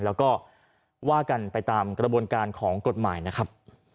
แล้วก็ว่ากันไปตามกระบวนการของกฎหมายนะครับ